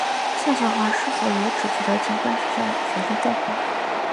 夏晓华是否由此取得警官学校学历待考。